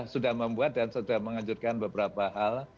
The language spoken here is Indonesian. sudah membuat dan sudah mengajurkan beberapa hal